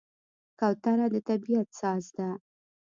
کوتره د طبیعت ساز ده.